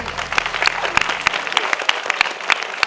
จบ